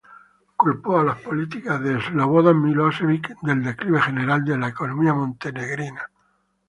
Culpó a las políticas de Slobodan Milošević del declive general de la economía montenegrina.